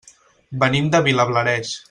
Venim de Vilablareix.